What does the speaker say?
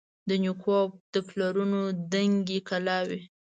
د نیکو او د پلرو دنګي کلاوي